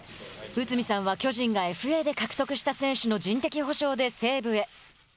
内海さんは巨人がＦＡで獲得した選手の人的補償で西武へ。